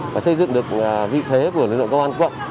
và xây dựng được vị thế của lực lượng công an quận